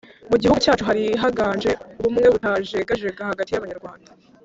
mu gihugu cyacu, hari haganje ubumwe butajegajega hagati y'Abanyarwanda: